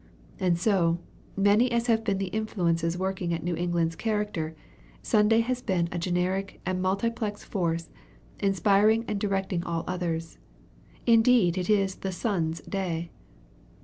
And so, many as have been the influences working at New England character, Sunday has been a generic and multiplex force, inspiring and directing all others. It is indeed the Sun's day.